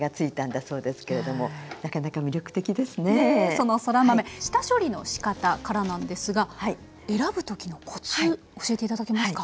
そのそら豆下処理のしかたからなんですが選ぶ時のコツ教えて頂けますか？